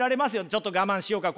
ちょっと我慢しようか。